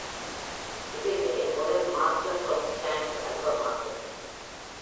இதுவே முதல் "Masters of Chant" ஆல்பமாகும்.